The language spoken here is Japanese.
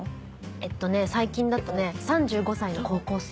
えっとね最近だとね『３５歳の高校生』。